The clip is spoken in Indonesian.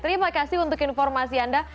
terima kasih untuk informasi anda